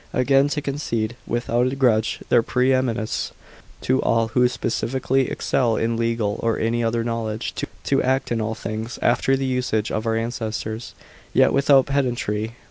Again, to concede, without a grudge, their pre eminence to all who specially excel in legal or any other knowledge, to act in all things after the usage of our ancestors, yet without pedantry